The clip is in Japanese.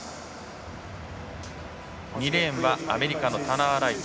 ２レーンはアメリカのタナー・ライト。